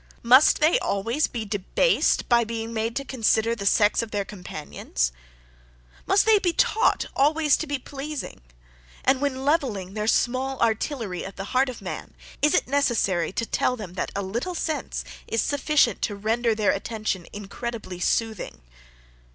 Must they always be debased by being made to consider the sex of their companions? Must they be taught always to be pleasing? And when levelling their small artillery at the heart of man, is it necessary to tell them that a little sense is sufficient to render their attention INCREDIBLY SOOTHING?